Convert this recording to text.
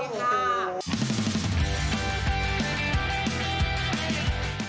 สวัสดีค่ะ